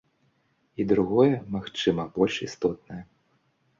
І другое, магчыма, больш істотнае.